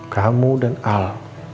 kamu dan al